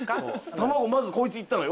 卵まずこいついったのよ